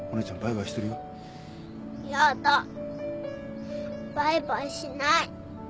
やだバイバイしない。